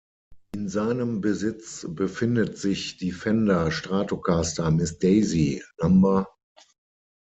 In seinem Besitz befindet sich die Fender Stratocaster „Miss Daisy“, No.